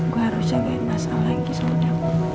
gua harus jagain masalah lagi selama ini